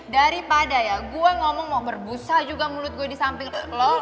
daripada ya gue ngomong mau berbusa juga mulut gue di samping